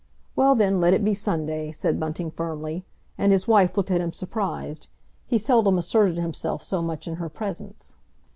"Well, then, let it be Sunday," said Bunting firmly. And his wife looked at him surprised; he seldom asserted himself so much in her presence.